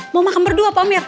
mau makan berdua pak amir